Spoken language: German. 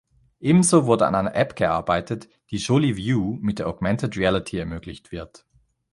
Ebenso wurde an einer App gearbeitet, die „Jolie-View“, mit der Augmented Reality ermöglicht wird.